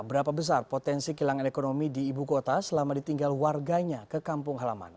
berapa besar potensi kehilangan ekonomi di ibu kota selama ditinggal warganya ke kampung halaman